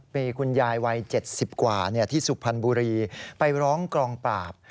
มีคุณยายวัย๗๐กว่าที่สุพรรณบุรีไปร้องกองปราบ